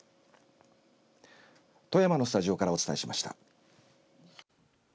富山のスタジオからお伝えしました。